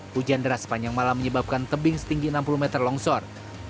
hujan deras sepanjang malam menyebabkan tebing setinggi enam puluh meter longsor